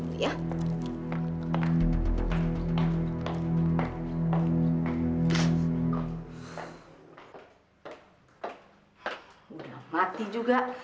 udah mati juga